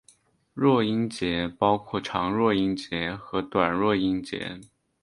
弱音节包括长弱音节和短弱音节。